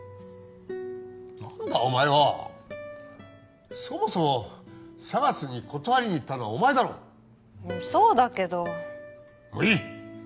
何だお前はそもそもＳＡＧＡＳに断りに行ったのはお前だろそうだけどもういい！